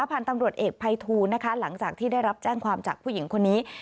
พันธุ์ตำรวจเอกภัยทูลนะคะหลังจากที่ได้รับแจ้งความจากผู้หญิงคนนี้